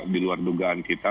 di luar dugaan kita